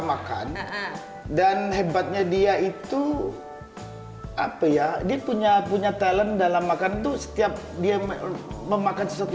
makan dan hebatnya dia itu apa ya dia punya talent dalam makan tuh setiap dia memakan sesuatu